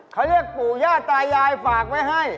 เขาเรียกปู่ย่าตายายฝากไว้ให้